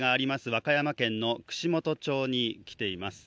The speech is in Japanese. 和歌山県の串本町に来ています。